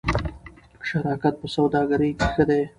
شراکت په سوداګرۍ کې ښه دی.